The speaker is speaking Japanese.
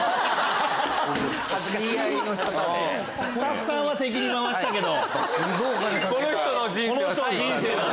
スタッフさんは敵に回したけど。